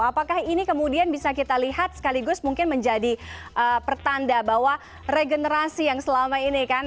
apakah ini kemudian bisa kita lihat sekaligus mungkin menjadi pertanda bahwa regenerasi yang selama ini kan